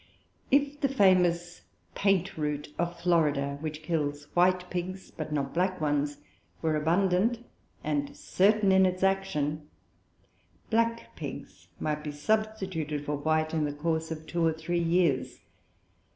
If the famous paint root of Florida, which kills white pigs but not black ones, were abundant and certain in its action, black pigs might be substituted for white in the course of two or three years.